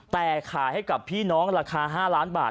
แต่ขายให้กับพี่น้องราคา๕ล้านบาท